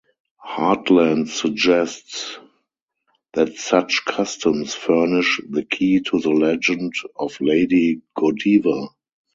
Hartland suggests that such customs furnish the key to the legend of Lady Godiva.